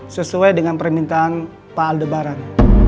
sesuai dengan permintaan pak aldebaran